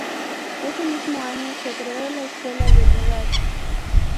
Ese mismo año se creó la escuela del lugar.